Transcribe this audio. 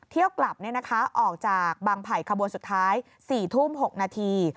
เที่ยวกลับออกจากบางไผ่ขบวนสุดท้าย๔ทุ่ม๖นาที